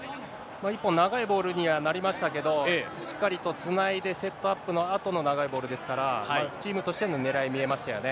１本長いボールにはなりましたけど、しっかりとつないで、セットアップのあとの長いボールですから、チームとしてのねらい、見えましたよね。